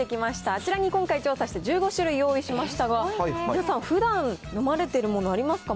あちらに今回調査した１５種類用意しましたが、皆さん、ふだん、飲まれてるものありますか？